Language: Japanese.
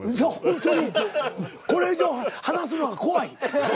これ以上話すのが怖い。